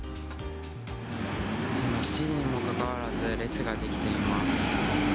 午前７時にもかかわらず、列が出来ています。